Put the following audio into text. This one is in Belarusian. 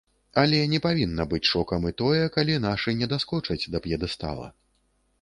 Але не павінна быць шокам і тое, калі нашы не даскочаць да п'едэстала.